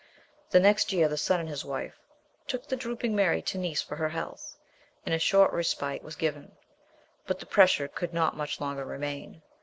The next year the son and his wife took the drooping Mary to Nice for her health, and a short respite was given ; but the pressure could not much longer remain.